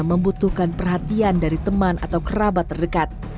membutuhkan perhatian dari teman atau kerabat terdekat